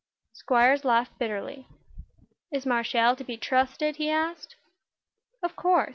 Squiers laughed bitterly. "Is Marshall to be trusted?" he asked. "Of course.